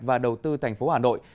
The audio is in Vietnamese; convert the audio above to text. và đầu tư tp hà nội